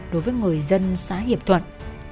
đối với người dân xã hiệp thuận